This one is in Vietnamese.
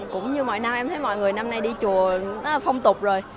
cũng như mọi năm em thấy mọi người năm nay đi chùa rất là phong tục rồi